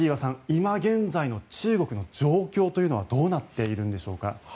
今現在の中国の状況はどうなっているんでしょうか。